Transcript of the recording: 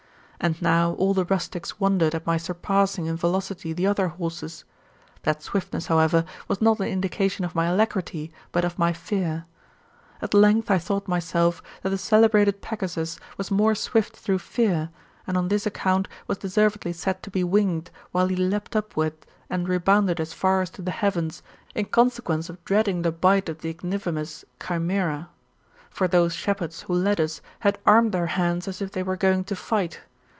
And now all the rustics wondered at my surpassing in velocity the other horses. That swiftness, however, was not an indication of my alacrity, but of my fear. At length I thought with myself, that the celebrated Pegasus was more swift through fear, and on this accoimt was deservedly said to be winged, while he leaped upward^ and rebounded as far as to the heavens, in consequence of dreading the bite of the ignivo mous Chimaera. For those shepherds, who led us, had armed their hands as if they were going to fight.